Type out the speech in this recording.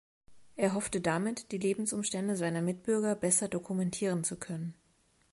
Er hoffte damit, die Lebensumstände seiner Mitbürger besser dokumentieren zu können.